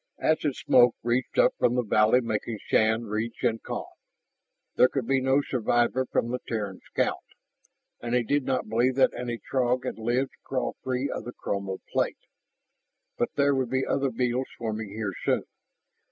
Acid smoke wreathed up from the valley making Shann retch and cough. There could be no survivor from the Terran scout, and he did not believe that any Throg had lived to crawl free of the crumpled plate. But there would be other beetles swarming here soon.